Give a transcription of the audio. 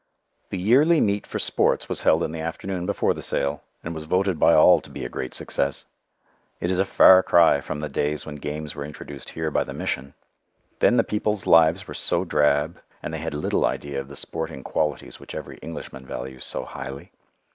The yearly meet for sports was held in the afternoon before the sale, and was voted by all to be a great success. It is a far cry from the days when games were introduced here by the Mission. Then the people's lives were so drab, and they had little idea of the sporting qualities which every Englishman values so highly.